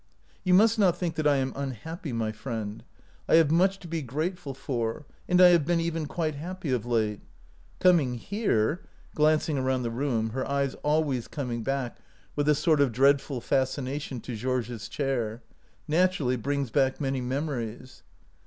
" You must not think that I am unhappy, my friend. I have much to be grateful for, and I have been even quite happy of late. Coming here" (glancing around the room, her eyes always coming back with a sort of dreadful fascination to Georges' chair) " nat urally brings back many memories."